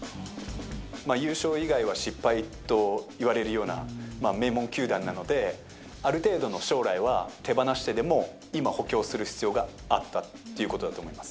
優勝以外は失敗といわれるような名門球団なので、ある程度の将来は手放してでも、今、補強する必要があったっていうことだと思います。